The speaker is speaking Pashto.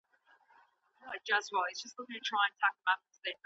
لبنیات بې ګټي نه دي.